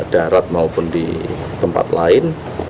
darat maupun di tempat lain